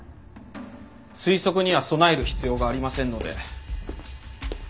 推測には備える必要がありませんので。